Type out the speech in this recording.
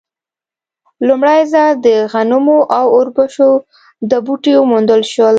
لومړی ځل د غنمو او اوربشو دوه بوټي وموندل شول.